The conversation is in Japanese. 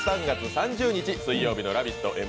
３月３０日水曜日の「ラヴィット！」